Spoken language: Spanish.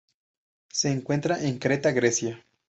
Se encuentra en Creta Grecia.